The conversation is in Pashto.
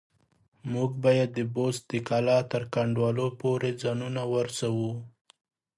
موږ بايد د بست د کلا تر کنډوالو پورې ځانونه ورسوو.